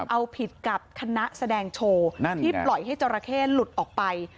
เอาผิดกับคณะแสดงโชว์ที่ปล่อยให้จราเข้หลุดออกไป